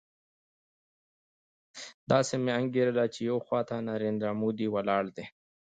داسې مې انګېرله چې يوې خوا ته نریندرا مودي ولاړ دی.